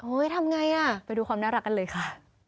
โอ๊ยทำอย่างไรน่ะไปดูความน่ารักกันเลยค่ะ